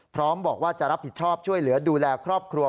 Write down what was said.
พร้อมบอกว่าจะรับผิดชอบช่วยเหลือดูแลครอบครัว